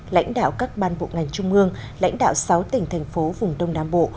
lãnh đạo các ban bộ ngành trung ương lãnh đạo sáu tỉnh thành phố vùng đông nam bộ